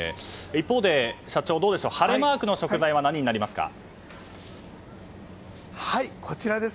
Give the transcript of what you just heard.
一方で社長、晴れマークの食材は何になりますか？